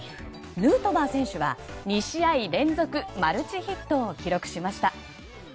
ヌートバー選手は２試合連続マルチヒットを記録しました。